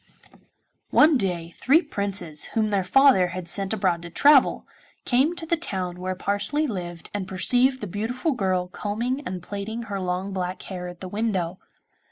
One day three Princes, whom their father had sent abroad to travel, came to the town where Parsley lived and perceived the beautiful girl combing and plaiting her long black hair at the window.